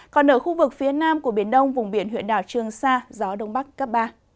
còn ở khu vực phía nam của biển đông vùng biển huyện đảo trương sa gió đông bắc cấp ba